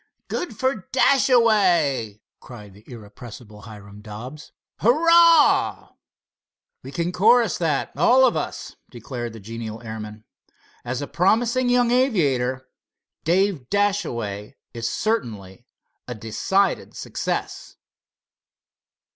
"Good for Dashaway!" cried the irrepressible Hiram Dobbs. "Hurrah!" "We can chorus that, all of us," declared the genial airman. "As a promising young aviator, Dave Dashaway is certainly a decided success."